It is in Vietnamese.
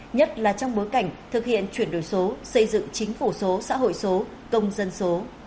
nhất là trong bối cảnh thực hiện chuyển đổi số xây dựng chính phủ số xã hội số công dân số